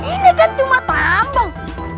ini kan cuma tambang